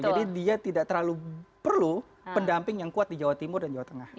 jadi dia tidak terlalu perlu pendamping yang kuat di jawa timur dan jawa tengah